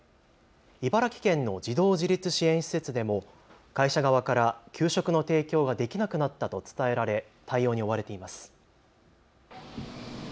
茨城県の児童自立支援施設でも会社側から給食の提供ができなくなったと伝えられ対応に追われています。